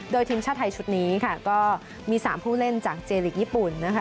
โดยทีมชาติไทยชุดนี้ค่ะก็มี๓ผู้เล่นจากเจลีกญี่ปุ่นนะคะ